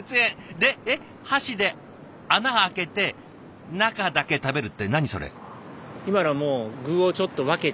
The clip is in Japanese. で箸で穴開けて中だけ食べるって何それ？